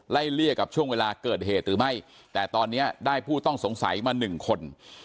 เลี่ยกับช่วงเวลาเกิดเหตุหรือไม่แต่ตอนนี้ได้ผู้ต้องสงสัยมาหนึ่งคน